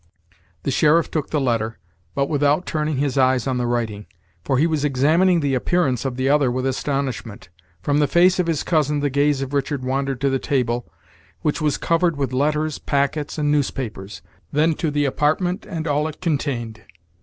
The sheriff took the letter, but without turning his eyes on the writing, for he was examining the appearance of the other with astonishment. From the face of his cousin the gaze of Richard wandered to the table, which was covered with letters, packets, and newspapers; then to the apartment and all it contained.